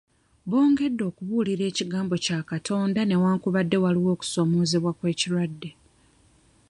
Bongedde okubuulira ekigambo kya Katonda newankubadde waliwo okusoomozebwa kw'ekirwadde.